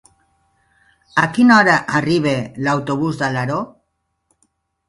A quina hora arriba l'autobús d'Alaró?